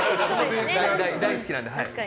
大好きなんで。